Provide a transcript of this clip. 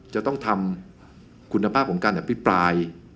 จะต้องทำคุณภาพของการอภิปราย